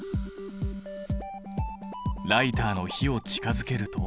ライターの火を近づけると。